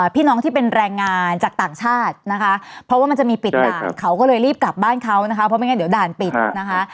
พี่น้องที่เป็นแรงงานจากต่างชาตินะคะเพราะว่ามันจะมีปิดด่านเขาก็เลยรีบกลับบ้านเขานะคะเพราะไม่งั้นเดี๋ยวด่านปิดนะคะ